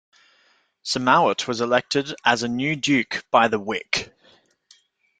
Siemowit was elected as new duke by the "wiec".